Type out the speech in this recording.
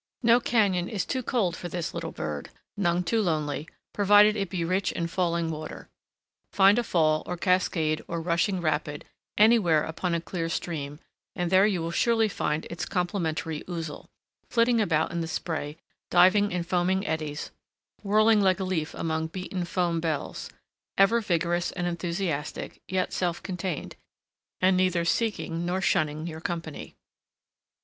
No cañon is too cold for this little bird, none too lonely, provided it be rich in falling water. Find a fall, or cascade, or rushing rapid, anywhere upon a clear stream, and there you will surely find its complementary Ouzel, flitting about in the spray, diving in foaming eddies, whirling like a leaf among beaten foam bells; ever vigorous and enthusiastic, yet self contained, and neither seeking nor shunning your company.